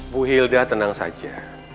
bu hilda tenang saja